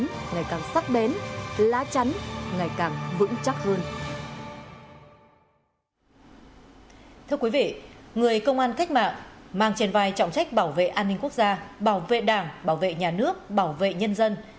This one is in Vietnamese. mang trên vai trọng trách bảo vệ an ninh quốc gia bảo vệ đảng bảo vệ nhà nước bảo vệ nhân dân